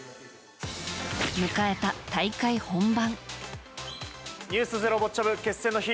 迎えた大会本番。